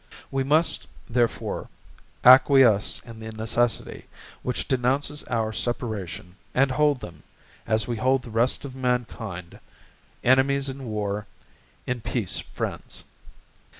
We must, therefore, acquiesce in the necessity, which denounces our Separation, and hold them, as we hold the rest of mankind, Enemies in War, in Peace Friends.